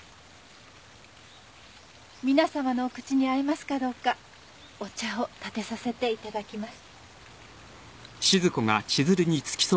皆さまのお口に合いますかどうかお茶をたてさせていただきます。